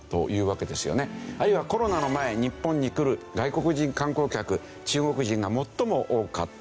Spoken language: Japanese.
あるいはコロナの前日本に来る外国人観光客中国人が最も多かった。